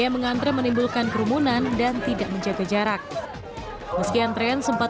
yang mengantre menimbulkan kerumunan dan tidak menjaga jarak meski antrean sempat